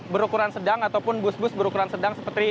berukuran sedang ataupun bus bus berukuran sedang seperti